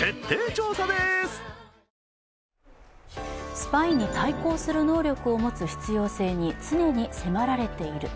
スパイに対抗する能力を持つ必要性に常に迫られている。